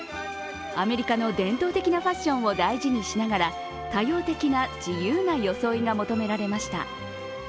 アメリカの伝統的なファッションを大事にしながら多様的な自由な装いが求められました。